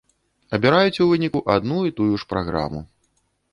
Абіраюць у выніку адну і тую ж праграму.